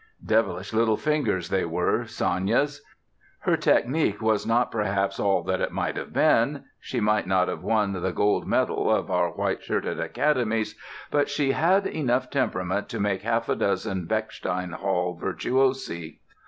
Devilish little fingers they were, Sanya's. Her technique was not perhaps all that it might have been; she might not have won the Gold Medal of our white shirted academies, but she had enough temperament to make half a dozen Bechstein Hall virtuosi.